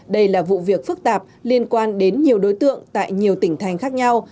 đây là vụ việc phức tạp liên quan đến nhiều đối tượng tại nhiều tỉnh thành khác nhau